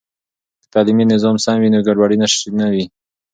که تعلیمي نظام سم وي، نو ګډوډي نه وي.